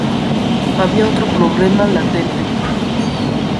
Había otro problema latente.